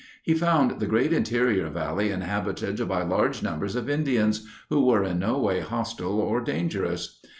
He found the great interior valley inhabited by large numbers of Indians, who were in no way hostile or dangerous.